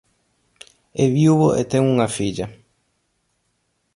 É viúvo e ten unha filla.